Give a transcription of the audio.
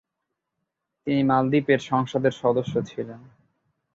তিনি মালদ্বীপের সংসদের সদস্য ছিলেন।